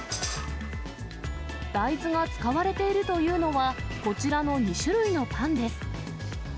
大豆が使われているというのは、こちらの２種類のパンです。